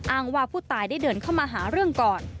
ว่าผู้ตายได้เดินเข้ามาหาเรื่องก่อน